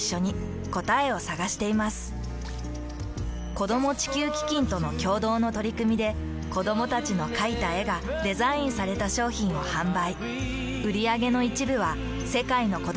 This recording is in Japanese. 子供地球基金との共同の取り組みで子どもたちの描いた絵がデザインされた商品を販売。